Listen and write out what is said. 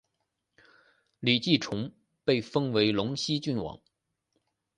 李继崇被封为陇西郡王。